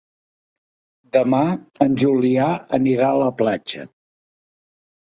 Demà en Julià anirà a la platja.